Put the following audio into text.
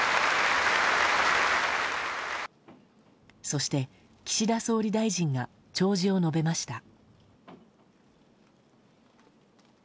そして岸田総理大臣が弔辞を述べました。